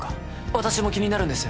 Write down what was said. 私も気になるんです